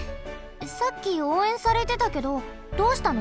さっきおうえんされてたけどどうしたの？